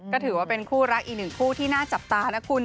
ก็ถือว่าเป็นคู่รักอีกหนึ่งคู่ที่น่าจับตานะคุณ